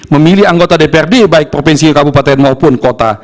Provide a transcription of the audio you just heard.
memilih anggota dprd baik provinsi kabupaten maupun kota